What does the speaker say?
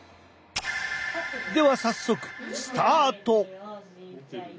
では早速スタート！